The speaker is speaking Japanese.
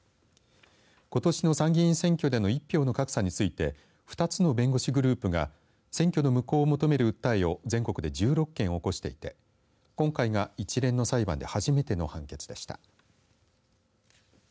ことしの参議院選挙での１票の格差について２つの弁護士グループが選挙の無効を求める訴えを全国で１６件起こしていて今回が一連の裁判で初めての判決でした。